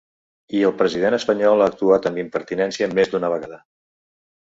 I el president espanyol ha actuat amb impertinència més d’una vegada.